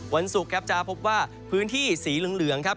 วันศุกร์ครับจะพบว่าพื้นที่สีเหลืองครับ